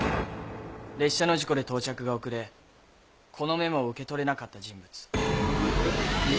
列車の事故で到着が遅れこのメモを受け取れなかった人物。